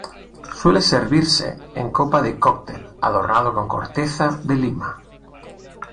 Suele servirse en copa de cóctel, adornado con corteza de lima.